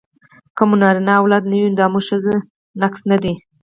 که مو نرینه اولاد نه وي دا مو د ښځې نقص نه دی